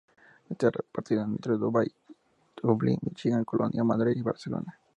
Están repartidos entre Dublín, Michigan, Colonia, Madrid y Barcelona.